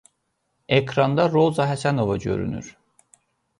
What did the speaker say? Ekranda Roza Həsənova görünür.